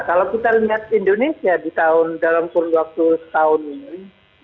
kalau kita lihat indonesia di tahun dalam kuruloku tahun ini